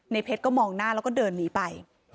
เพชรก็มองหน้าแล้วก็เดินหนีไป